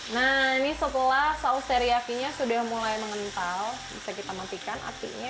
nah ini setelah saus teriyakinya sudah mulai mengental bisa kita matikan apinya